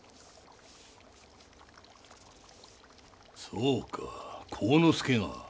そうか晃之助が。